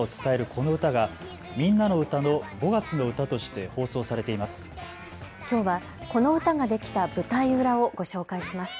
この歌がみんなのうたの５月のうたとして放送されています。